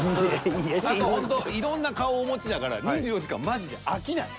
あとほんといろんな顔をお持ちだから２４時間マジで飽きない。